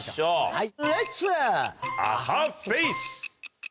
・はい。